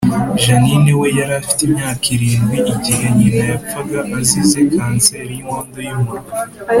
Jeannie we yari afite imyaka irindwi igihe nyina yapfaga azize kanseri y’inkondo y’umura